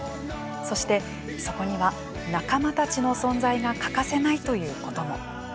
そしてそこには、仲間たちの存在が欠かせないということも。